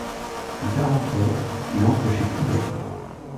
Plus tard encore, il entre chez Fouga.